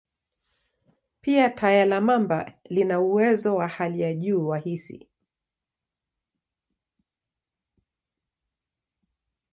Pia, taya la mamba lina uwezo wa hali ya juu wa hisi.